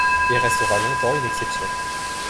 Il restera longtemps une exception.